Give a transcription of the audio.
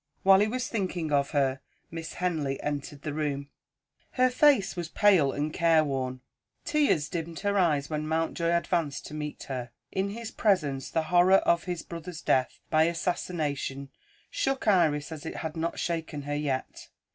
While he was thinking of her, Miss Henley entered the room. Her face was pale and careworn; tears dimmed her eyes when Mountjoy advanced to meet her. In his presence, the horror of his brother's death by assassination shook Iris as it had not shaken her yet.